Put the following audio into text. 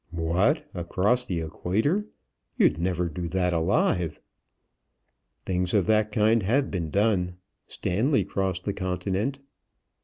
"What! across the equator? You'd never do that alive?" "Things of that kind have been done. Stanley crossed the continent."